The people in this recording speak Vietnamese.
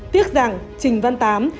tiếc rằng trinh văn tám